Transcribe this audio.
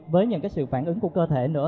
với những sự phản ứng của cơ thể nữa